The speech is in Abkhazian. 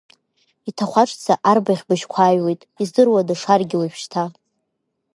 Иҭахәаҽӡа арбаӷь быжьқәа ааҩуеит, издыруада шаргьы уажәшьҭа.